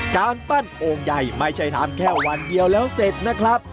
การปั้นโอ่งใหญ่ไม่ใช่ทำแค่วันเดียวแล้วเสร็จนะครับ